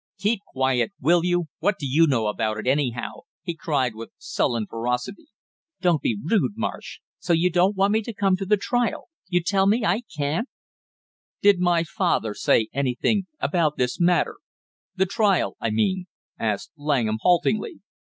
"Keep quiet, will you, what do you know about it, anyhow?" he cried with sullen ferocity. "Don't be rude, Marsh! So you don't want me to come to the trial, you tell me I can't?" "Did my father say anything about this matter, the trial, I mean?" asked Langham haltingly.